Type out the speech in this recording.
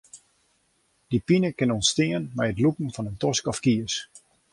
Dy pine kin ûntstean nei it lûken fan in tosk of kies.